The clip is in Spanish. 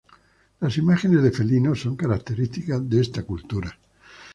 Las imágenes de felinos son características de esta cultura.